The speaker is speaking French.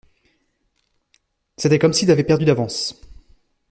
C’était comme s’il avait perdu d’avance.